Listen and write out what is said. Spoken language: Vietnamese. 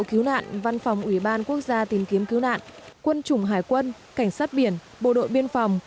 cứu nạn văn phòng ủy ban quốc gia tìm kiếm cứu nạn quân chủng hải quân cảnh sát biển bộ đội biên phòng